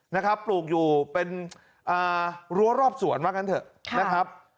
นะครับปลูกอยู่เป็นรั้วรอบสวนว่างั้นเถอะนะครับ